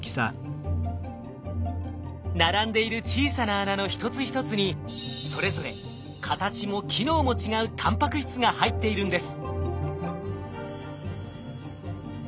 並んでいる小さな穴の一つ一つにそれぞれ形も機能も違うタンパク質が入っているんです。